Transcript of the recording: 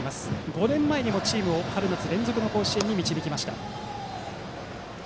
５年前にも、チームを春夏連続の甲子園に導きました。